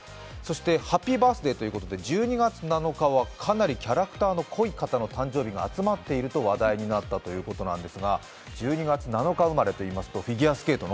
ＨＡＰＰＹＢＩＲＴＨＤＡＹということで１２月７日はかなりキャラクターの濃い方の誕生日が集まっているということで話題になったということですが１２月７日生まれといいますか、フィギュアスケートの？